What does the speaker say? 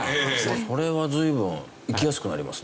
それは随分行きやすくなりますね。